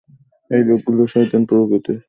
এই লোকগুলো শয়তান প্রকৃতির!